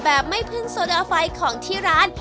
แบบไม่พึ่งโซดาไฟของที่ร้าน